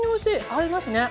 合いますね。